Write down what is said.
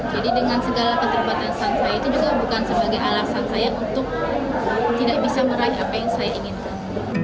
jadi dengan segala keterbatasan saya itu juga bukan sebagai alasan saya untuk tidak bisa meraih apa yang saya inginkan